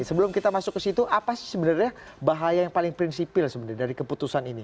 sebelum kita masuk ke situ apa sih sebenarnya bahaya yang paling prinsipil sebenarnya dari keputusan ini